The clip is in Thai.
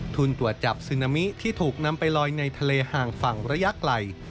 ตรวจจับซึนามิที่ถูกนำไปลอยในทะเลห่างฝั่งระยะไกล